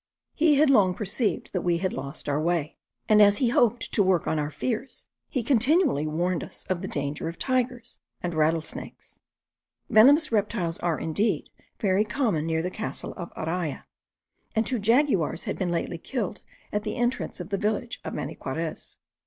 He had long perceived that we had lost our way; and as he hoped to work on our fears he continually warned us of the danger of tigers and rattlesnakes. Venomous reptiles are, indeed, very common near the castle of Araya; and two jaguars had been lately killed at the entrance of the village of Maniquarez.